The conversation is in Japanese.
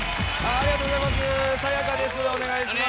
ありがとうございます。